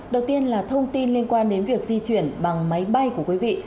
đầu tiên là thông tin liên quan đến việc di chuyển bằng máy bay của quý vị